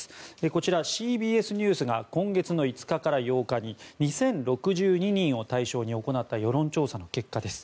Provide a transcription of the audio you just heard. こちら、ＣＢＳニュースが今月５日から８日に２０６２人を対象に行った世論調査の結果です。